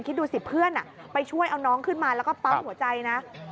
คิดดูสิเพื่อนไปช่วยเอาน้องขึ้นมาแล้วก็ปั๊มหัวใจนะ